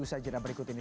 usaha cerita berikut ini